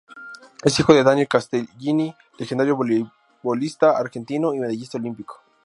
Es hijo de Daniel Castellani, legendario voleibolista argentino y medallista olímpico.